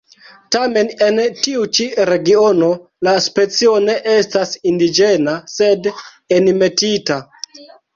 Tamen en tiu ĉi regiono, la specio ne estas indiĝena sed enmetita.